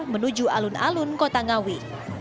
menuju alun alun kota ngawi